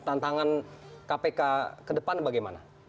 tantangan kpk ke depan bagaimana